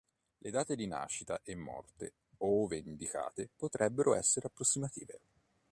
Le date di nascita e morte, ove indicate, potrebbero essere approssimative.